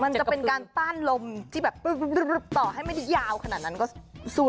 มันจะเป็นการต้านลมที่แบบต่อให้ไม่ได้ยาวขนาดนั้นก็สุด